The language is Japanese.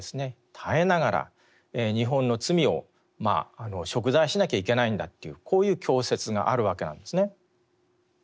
耐えながら日本の罪を贖罪しなきゃいけないんだというこういう教説があるわけなんですね。